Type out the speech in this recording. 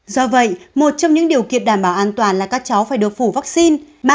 do vậy một trong những điều kiện đảm bảo an toàn là các cháu phải được phủ vaccine